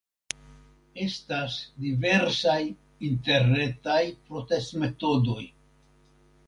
Estas diversaj interretaj protestmetodoj.